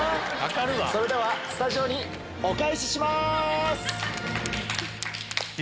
それではスタジオにお返しします！